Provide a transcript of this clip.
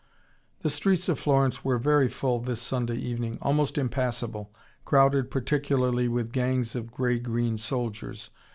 The streets of Florence were very full this Sunday evening, almost impassable, crowded particularly with gangs of grey green soldiers.